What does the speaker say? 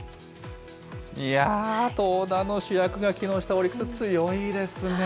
いやぁ、投打の主役が機能したオリックス、強いですね。